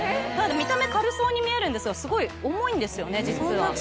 見た目軽そうに見えるんですがすごい重いんですよね実は。